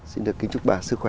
xin được kính chúc bà sức khỏe